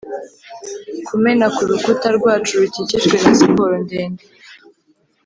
kumena kurukuta rwacu rukikijwe na siporo ndende,